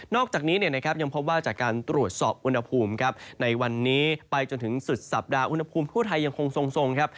อกจากนี้ยังพบว่าจากการตรวจสอบอุณหภูมิในวันนี้ไปจนถึงสุดสัปดาห์อุณหภูมิทั่วไทยยังคงทรงครับ